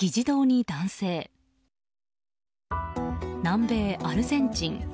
南米アルゼンチン。